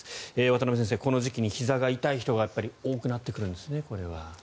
渡辺先生、この時期にひざが痛い人が多くなってくるんですね。